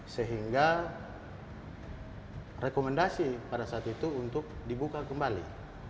sehingga rekomendasi pada saat itu untuk dibuka kembali